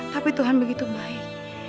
tapi tuhan begitu baik